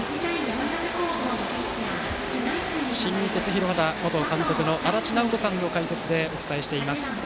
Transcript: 新日鉄広畑元監督の足達尚人さんの解説でお伝えしています。